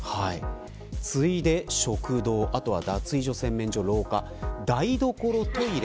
次いで食堂、脱衣所洗面所、廊下台所、トイレ